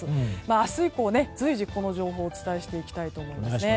明日以降、随時この情報をお伝えしていきたいと思います。